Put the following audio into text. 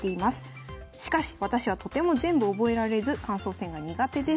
しかし私はとても全部覚えられず感想戦が苦手です。